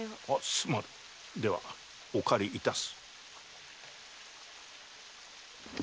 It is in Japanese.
すまんではお借りいたす。